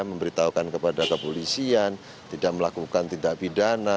memberitahukan kepada kepolisian tidak melakukan tindak pidana